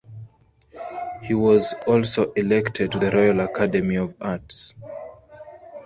He was also elected to the Royal Academy of Arts.